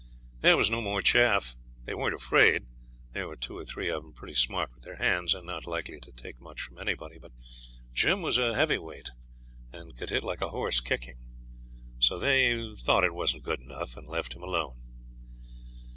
There was no more chaff. They weren't afraid. There were two or three of them pretty smart with their hands, and not likely to take much from anybody. But Jim was a heavy weight and could hit like a horse kicking; so they thought it wasn't good enough, and left him alone.